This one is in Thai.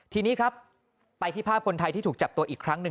ทีนี้ครับไปที่ภาพคนไทยที่ถูกจับตัวอีกครั้งหนึ่ง